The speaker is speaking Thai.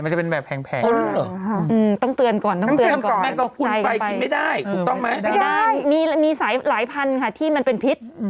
ไม่ได้ที่มีสายหลายพันค่ะที่เป็นพิษ